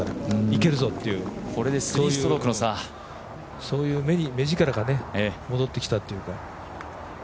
いけるぞっていうそういう目力が戻ってきたというか。